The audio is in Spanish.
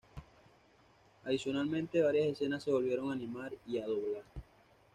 Adicionalmente, varias escenas se volvieron a animar y a doblar.